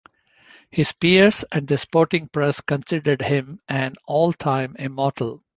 His peers and the sporting press considered him an "All-Time Immortal".